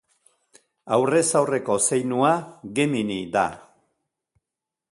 Aurrez aurreko zeinua Gemini da.